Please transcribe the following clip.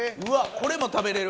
これも食べれる？